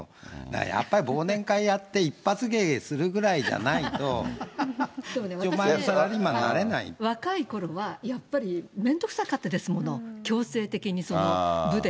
やっぱり忘年会やって一発芸するぐらいじゃないと、サラリーマン若いころは、やっぱり面倒くさかったですもの、強制的に、部で。